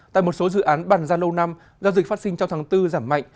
tại một số dự án bàn ra lâu năm giao dịch phát sinh trong tháng bốn giảm mạnh